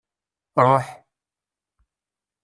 Ruḥ!